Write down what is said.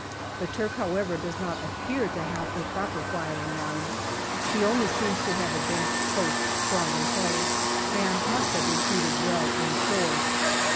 The Turk, however, does not appear to have a proper firing line ; he only seems to have advanced posts strongly held, and must have retreated well inshore.